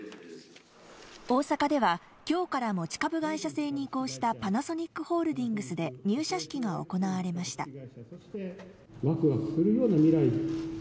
大阪では今日から持ち株会社制に移行したパナソニックホールディングスで入社式が行われました。